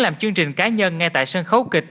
làm chương trình cá nhân ngay tại sân khấu kịch